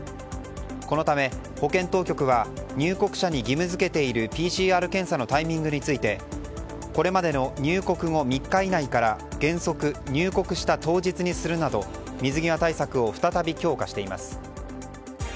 このため保健当局は入国者に義務付けているＰＣＲ検査のタイミングについてこれまでの入国後３日以内から原則、入国した当日にするなど水際対策を再び強化しています。